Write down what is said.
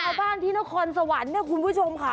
ชาวบ้านที่นครสวรรค์เนี่ยคุณผู้ชมค่ะ